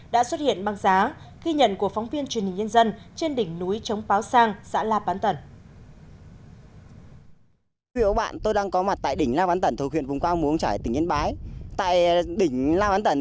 đã xuất hiện băng giá ghi nhận của phóng viên truyền hình nhân dân trên đỉnh núi chống báo sang xã lạp bán tẩn